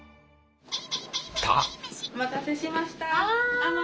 お待たせしました。